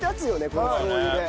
このしょう油で。